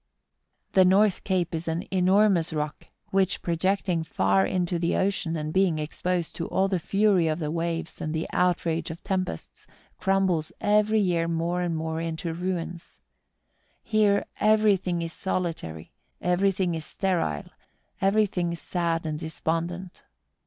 The North Cape is an enormous rock, which pro¬ jecting far into the ocean, and being exposed to all the fury of the waves and the outrage of tempests, crumbles every year more and more into ruins. Here everything is solitary, everything is sterile, everything sad and despondent.